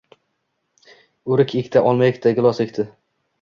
O’rik ekdi. Olma ekdi. Gilos ekdi.